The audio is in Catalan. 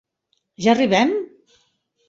Ja arribem?